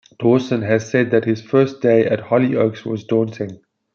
Dawson has said that his first day at "Hollyoaks" was "daunting".